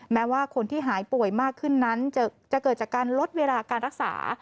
แม้ว่าคนที่หายป่วยมากขึ้นนั้นจะเกิดจากการลดเวลาการรักษา